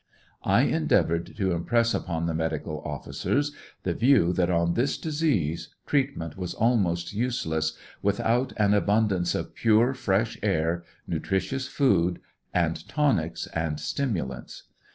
I endeavored to impress upon the medical officers the view that on this disease treatment was al most useless, without an abundance of pure, fresh air, nutricious food, and tonics and stimulants.